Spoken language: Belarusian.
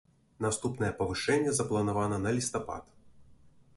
Наступнае павышэнне запланавана на лістапад.